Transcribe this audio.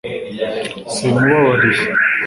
sinkubabariye